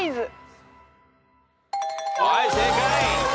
はい正解。